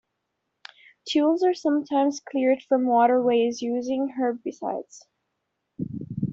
Tules are sometimes cleared from waterways using herbicides.